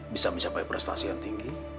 bisa mencapai prestasi yang tinggi